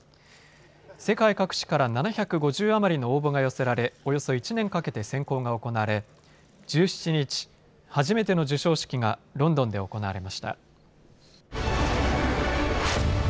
世界各地から７５０余りの応募が寄せられ、およそ１年かけて選考が行われ１７日、初めての授賞式がロンドンで行われました。